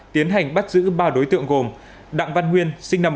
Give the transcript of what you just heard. tiến hành bắt giữ ba đối tượng gồm đặng văn nguyên sinh năm một nghìn chín trăm tám mươi